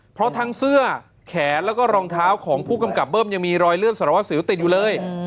เพราะทั้งเสื้อแขนแล้วก็รองเท้าของผู้กำกับเบิ้มยังมีรอยเลือดสารวัสสิวติดอยู่เลย